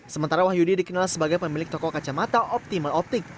sementara wahyudi dikenal sebagai pemilik toko kacamata optimal optik